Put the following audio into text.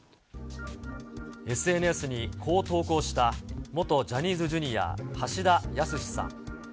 ＳＮＳにこう投稿した元ジャニーズＪｒ．橋田康さん。